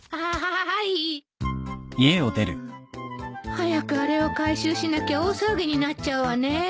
早くあれを回収しなきゃ大騒ぎになっちゃうわね。